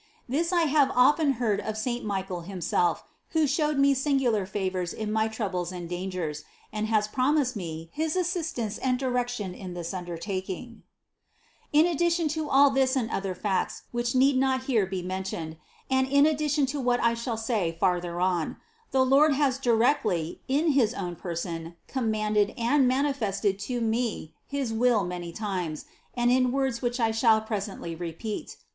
This I have often heard of saint Michael himself, who showed me singular favors in my troubles and dangers, and has promised me his assistance and direction in this under taking. INTRODUCTION 11 10. In addition to all this and other facts, which need not here be mentioned, and in addition to what I shall say farther on, the Lord has directly, in his own person, com manded and manifested to me his will many times, and in words which I shall presently repeat.